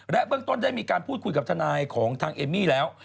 และเบื้องต้นได้มีการพูดคุยกับทนายของทางเอมมี่แล้ว